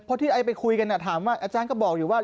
เพราะที่ไอ้ไปคุยกันถามว่าอาจารย์ก็บอกอยู่ว่า